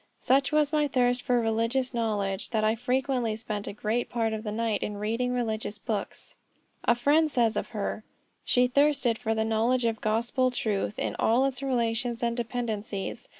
"Such was my thirst for religious knowledge, that I frequently spent a great part of the night in reading religious books." A friend says of her: "She thirsted for the knowledge of gospel truth in all its relations and dependencies.